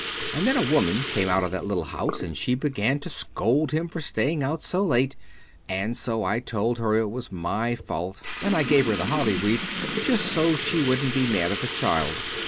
And then a woman came out of that little house and she began to scold him for staying out so late, and so I told her it was my fault and I gave her the holly wreath just so she wouldn't be mad at the child.